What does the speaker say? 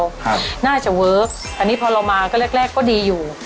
ครับน่าจะเวิร์คอันนี้พอเรามาก็แรกแรกก็ดีอยู่